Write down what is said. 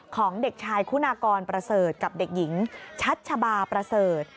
ของเด็กชายคุณากรประเสริฐกับเด็กหญิงชัชบาประเสริฐ